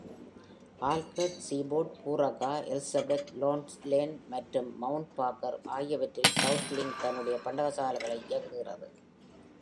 Aldgate, Seaford, Pooraka, Elizabeth, Lonsdale மற்றும் Mount Barker ஆகியவற்றில் Southlink தன்னுடைய பண்டகச்சாலைகளை இயக்குகிறது.